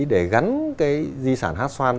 để gắn di sản hát xoan